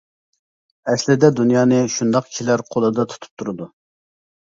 ئەسلىدە دۇنيانى شۇنداق كىشىلەر قولىدا تۇتۇپ تۇرىدۇ.